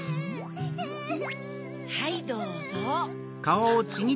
はいどうぞ。